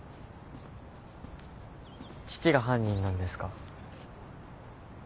父が犯人なんですか？